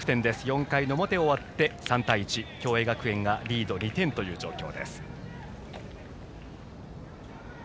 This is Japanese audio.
４回の表、終わって３対１共栄学園がリード２点という状況。